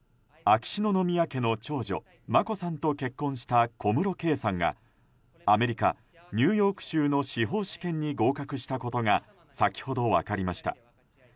秋篠宮家の長女・眞子さんと結婚した小室圭さんがアメリカ・ニューヨーク州の司法試験に合格したことが先ほど、分かりました。